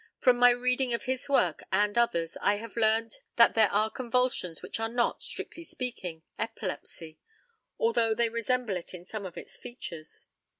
From my reading of his work and others I have learnt that there are convulsions which are not, strictly speaking, epilepsy, although they resemble it in some of its features.